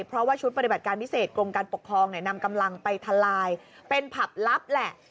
เพราะว่าชุดปฏิบัติการพิเศษกรมการปกครองนำกำลังไปทลายเป็นผับลับแหละ